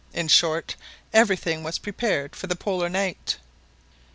In short, everything was prepared for the Polar night.